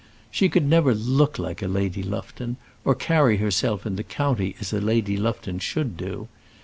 She could never look like a Lady Lufton, or carry herself in the county as a Lady Lufton should do.